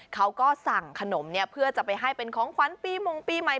เขาก็สั่งขนมเพื่อจะไปให้เป็นของขวัญปีมงปีใหม่